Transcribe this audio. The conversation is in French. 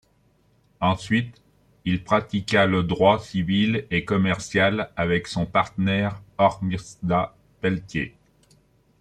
Ensuite, il pratiqua le droit civil et commercial avec son partnenaire Hormisdas Pelletier.